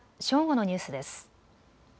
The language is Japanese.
正午のニュースです。